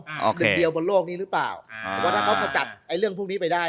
อ่าเด็กเดียวบนโลกนี้หรือเปล่าอ่าว่าถ้าเขามาจัดไอ้เรื่องพวกพี่ไปได้